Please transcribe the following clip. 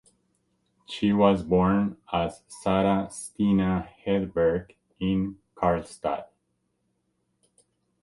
She was born as Sara Stina Hedberg in Karlstad.